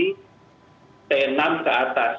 ini biasanya terjadi pada lesi t enam ke atas